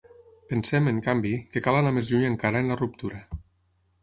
Pensem, en canvi, que cal anar més lluny encara en la ruptura.